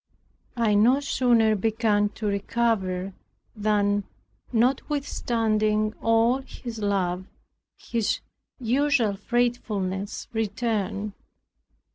I no sooner began to recover, than notwithstanding all his love, his usual fretfulness returned.